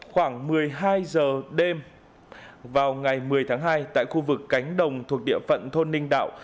khoảng một mươi hai giờ đêm vào ngày một mươi tháng hai tại khu vực cánh đồng thuộc địa phận thôn ninh đạo